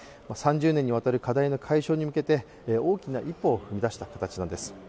３０年にわたる課題の解消に向けて大きな一歩を踏み出した形なんです。